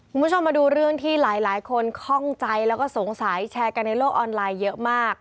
คุณผู้ชมมาดูเรื่องที่หลายคนคล่องใจแล้วก็สงสัยแชร์กันในโลกออนไลน์เยอะมาก